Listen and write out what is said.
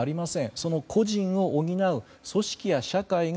その個人を補う組織や社会が